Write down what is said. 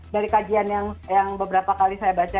dari kajian yang beberapa kali saya baca